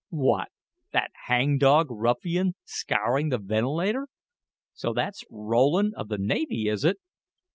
"What! that hang dog ruffian, scouring the ventilator? So, that's Rowland, of the navy, is it!